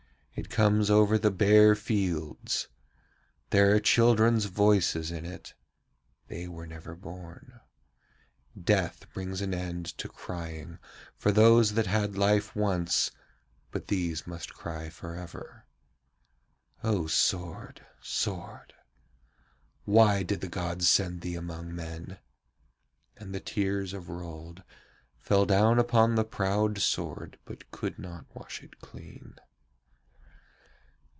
It comes over the bare fields. There are children's voices in it. They were never born. Death brings an end to crying for those that had life once, but these must cry for ever. O sword! sword! why did the gods send thee among men?' And the tears of Rold fell down upon the proud sword but could not wash it clean.